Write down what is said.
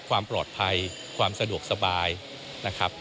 ความปลอดภัยความสะดวกสบายนะครับ